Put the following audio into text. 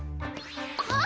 あっ？